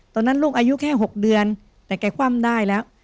ตอนนั้นลูกอายุแค่๖เดือนแต่แกคว่ำได้แล้ว